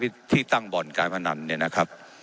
ว่าการกระทรวงบาทไทยนะครับ